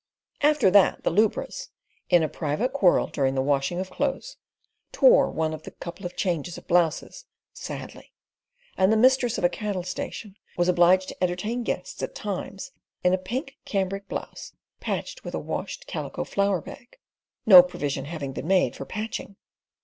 After that the lubras, in a private quarrel during the washing of clothes, tore one of the "couple of changes" of blouses sadly; and the mistress of a cattle station was obliged to entertain guests at times in a pink cambric blouse patched with a washed calico flour bag; no provision having been made for patching.